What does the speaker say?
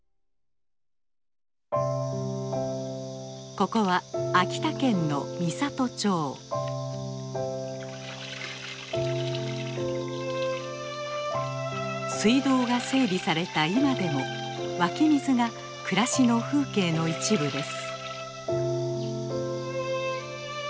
ここは水道が整備された今でも湧き水が暮らしの風景の一部です。